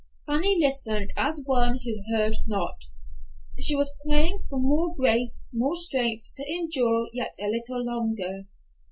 Fanny listened as one who heard not. She was praying for more grace, more strength to endure yet a little longer.